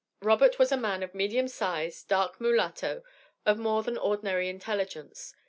Robert was a man of medium size, dark mulatto, of more than ordinary intelligence.